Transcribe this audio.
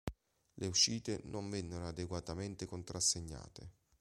Le uscite non vennero adeguatamente contrassegnate.